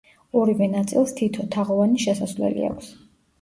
ორივე ნაწილს თითო, თაღოვანი შესასვლელი აქვს.